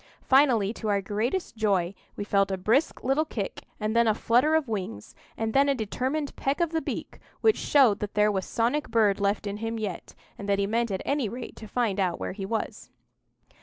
Finally, to our great joy, we felt a brisk little kick, and then a flutter of wings, and then a determined peck of the beak, which showed that there was some bird left in him yet, and that he meant at any rate to find out where he was.